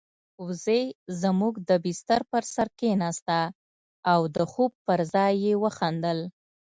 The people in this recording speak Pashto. وزې زموږ د بستر پر سر کېناسته او د خوب پر ځای يې وخندل.